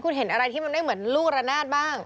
คุณเห็นอะไรที่มันไม่เหมือนลูกระนาดบ้าง